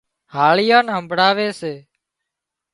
هاۯيئان نين همڀۯاوي سي